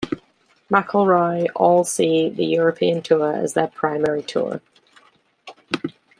McIlroy all see the European Tour as their primary tour.